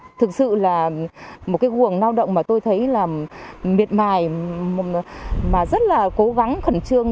thực sự là một cái quần lao động mà tôi thấy là miệt mài mà rất là cố gắng khẩn trương